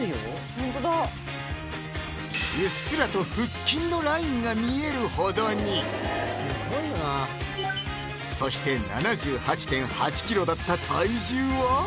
ホントだうっすらと腹筋のラインが見えるほどにスゴいなそして７８．８ｋｇだった体重は？